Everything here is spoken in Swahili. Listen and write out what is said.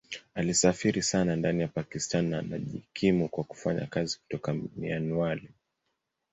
Alisafiri sana ndani ya Pakistan na akajikimu kwa kufanya kazi kutoka Mianwali.